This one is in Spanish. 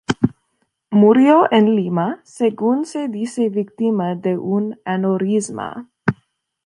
Murió en Lima, según se dice víctima de un aneurisma.